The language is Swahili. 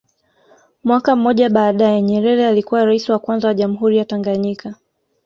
Mwaka mmoja baadae Nyerere alikuwa raisi wa kwanza wa jamhuri ya Tanganyika